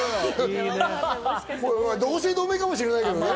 同姓同名かもしれないけどね。